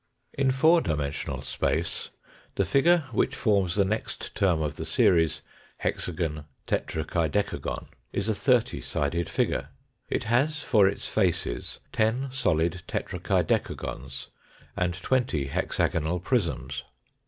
In four dimensional space the figure which forms the next term of the series hexagon, tetrakaidecagon, is a thirty sided figure. It has for its faces ten solid tetra kaidecagons and twenty hexagonal prisms.